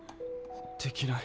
できない。